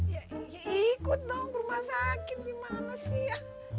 ya ikut dong ke rumah sakit gimana sih ya